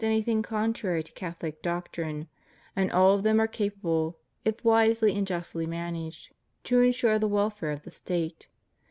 127 anything contrary to Catholic doctrine, and all of them are capable, if wisely and justly managed, to insure the welfare of the State.